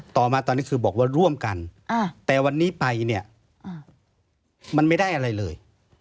ต่อมาตอนนี้คือบอกว่าร่วมกันแต่วันนี้ไปเนี่ยมันไม่ได้อะไรเลย